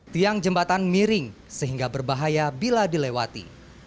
tiang jembatan miring sehingga berbahaya bila dilewati